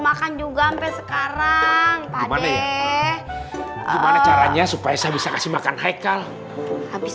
makan juga sampai sekarang boleh gimana caranya supaya saya bisa kasih makan haikal habis